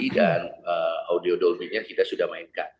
dan audio dolby nya kita sudah mainkan